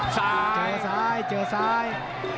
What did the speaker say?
ซ้ายเจอซ้ายเจอซ้าย